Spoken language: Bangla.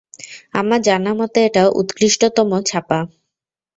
আমার জানা মতে এটি উৎকৃষ্টতম ছাপা।